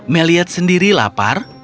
meliad sendiri lapar